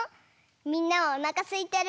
みんなおなかすいてる？